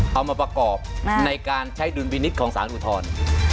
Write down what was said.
เอามาประกอบในการใช้ดุลพินิษฐ์ของสารอุทธรณ์